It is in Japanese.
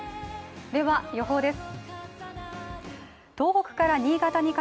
では予報です。